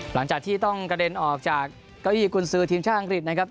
หลังจากที่ต้องกระเด็นออกจากเก้าอี้กุญซือทีมชาติอังกฤษนะครับ